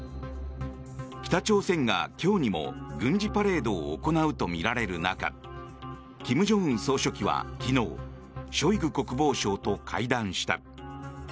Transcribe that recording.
北朝鮮が今日にも軍事パレードを行うとみられる中金正恩総書記は昨日ショイグ国防相と会談した。